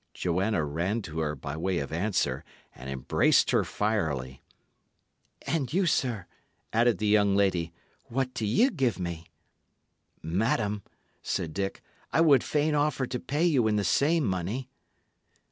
Joanna ran to her, by way of answer, and embraced her fierily. "And you, sir," added the young lady, "what do ye give me?" "Madam," said Dick, "I would fain offer to pay you in the same money."